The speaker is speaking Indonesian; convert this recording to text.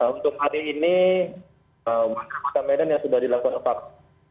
untuk hari ini masyarakat di kota medan yang sudah dilakukan vaksin